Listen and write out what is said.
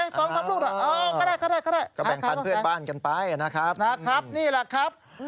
๒๓ลูกเหรอเอามาได้ก็แบ่งทานเพื่อนบ้านกันไปนะครับ